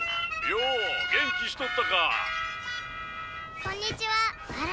「よお元気しとったか」